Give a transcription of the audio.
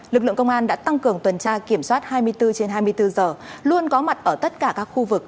lực lượng công an đã tăng cường tuần tra kiểm soát hai mươi bốn trên hai mươi bốn giờ luôn có mặt ở tất cả các khu vực